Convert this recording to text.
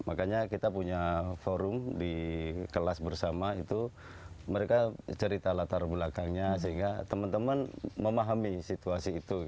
makanya kita punya forum di kelas bersama itu mereka cerita latar belakangnya sehingga teman teman memahami situasi itu